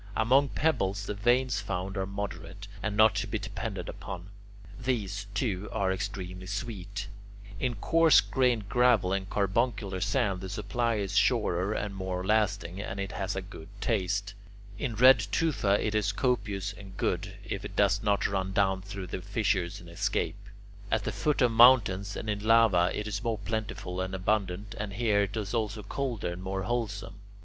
Among pebbles the veins found are moderate, and not to be depended upon. These, too, are extremely sweet. In coarse grained gravel and carbuncular sand the supply is surer and more lasting, and it has a good taste. In red tufa it is copious and good, if it does not run down through the fissures and escape. At the foot of mountains and in lava it is more plentiful and abundant, and here it is also colder and more wholesome.